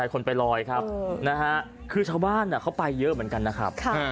ครับคือชาวบ้านเขาไปเยอะเหมือนกันนะครับ